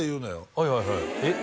はいはいはいえっ？